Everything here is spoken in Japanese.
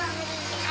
はい。